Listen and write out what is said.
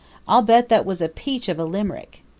I'll bet that was a peach of a limerick.